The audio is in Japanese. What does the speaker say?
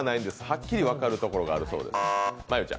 はっきり分かるところがあるそうです。